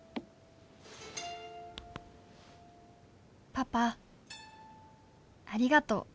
パパありがとう。